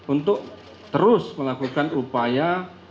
untuk terus melakukan upaya